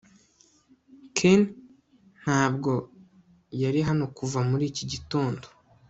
ken ntabwo yari hano kuva muri iki gitondo